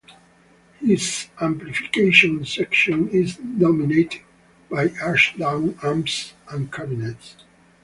His amplification section is dominated by Ashdown amps and cabinets.